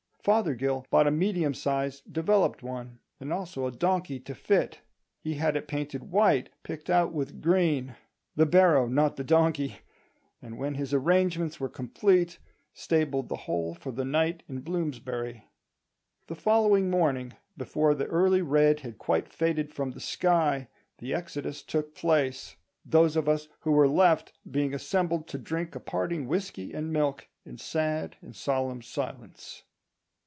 Fothergill bought a medium sized "developed" one, and also a donkey to fit; he had it painted white, picked out with green—the barrow, not the donkey—and when his arrangements were complete, stabled the whole for the night in Bloomsbury. The following morning, before the early red had quite faded from the sky, the exodus took place, those of us who were left being assembled to drink a parting whisky and milk in sad and solemn silence.